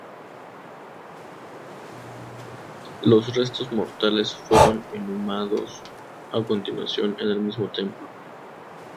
Los restos mortales fueron inhumados a continuación en el mismo templo.